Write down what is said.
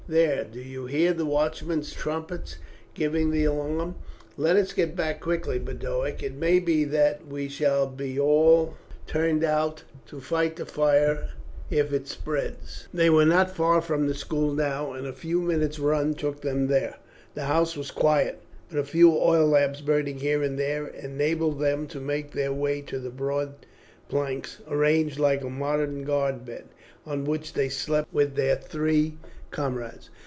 There, do you hear the watchmen's trumpets giving the alarm? Let us get back quickly, Boduoc. It may be that we shall be all turned out to fight the fire if it spreads." They were not far from the school now, and a few minutes' run took them there. The house was quiet, but a few oil lamps burning here and there enabled them to make their way to the broad planks, arranged like a modern guard bed, on which they slept with their three comrades.